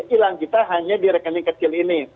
hilang kita hanya di rekening kecil ini